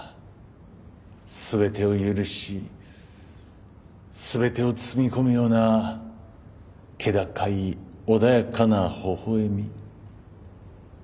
全てを許し全てを包み込むような気高い穏やかなほほ笑み。